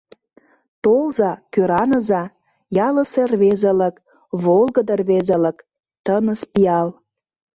Толза, кӧраныза — ялысе рвезылык, Волгыдо рвезылык, тыныс пиал!